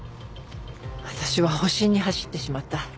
私は保身に走ってしまった。